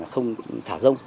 không thả rông